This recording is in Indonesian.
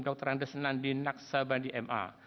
dr andes nandi naksabandi ma